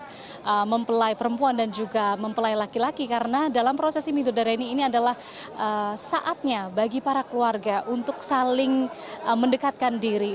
untuk mempelai perempuan dan juga mempelai laki laki karena dalam prosesi midodareni ini adalah saatnya bagi para keluarga untuk saling mendekatkan diri